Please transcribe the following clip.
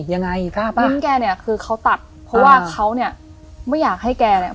ยังไงมิ้นแกเนี่ยคือเขาตัดเพราะว่าเขาเนี่ยไม่อยากให้แกเนี่ย